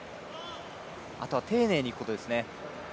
あとは丁寧にいくことですね。